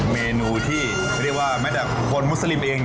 เมนูที่เรียกว่าแม้แต่คนมุสลิมเอง